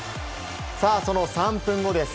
その３分後です。